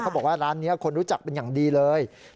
บอกว่าร้านนี้คนรู้จักเป็นอย่างดีเลย